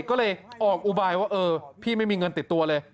ก็เลยออกอุบายว่าเออพี่ไม่มีเงินติดตัวเลย